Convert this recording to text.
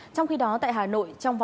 trong khi đó tại hà nội